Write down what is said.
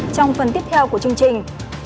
trong phần tiếp theo của chương trình